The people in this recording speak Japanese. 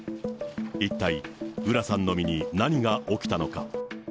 一体、浦さんの身に何が起きたのか。